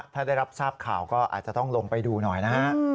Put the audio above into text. ถ้าได้รับทราบข่าวก็อาจจะต้องลงไปดูหน่อยนะฮะ